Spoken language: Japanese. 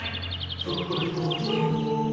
「ひょっこり校長」